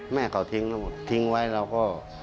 แม่เขาทิ้งแล้วทิ้งไว้แล้วก็